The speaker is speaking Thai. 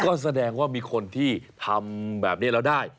ก็แสดงว่ามีคนที่ทำแบบนี้แล้วได้